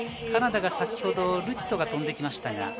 カナダが先ほどルティトが飛んできましたが。